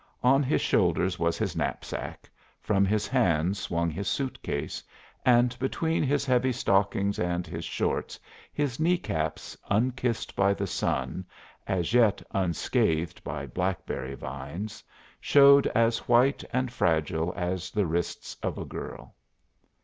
On his shoulders was his knapsack, from his hands swung his suitcase and between his heavy stockings and his "shorts" his kneecaps, unkissed by the sun, as yet unscathed by blackberry vines, showed as white and fragile as the wrists of a girl.